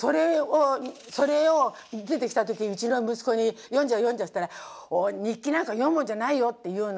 それを出てきた時にうちの息子に「読んじゃう読んじゃう」っつったら「日記なんか読むもんじゃないよ」って言うの。